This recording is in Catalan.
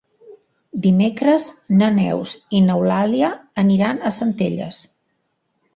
Dimecres na Neus i n'Eulàlia aniran a Centelles.